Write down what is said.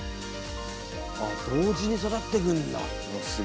あっ同時に育っていくんだ。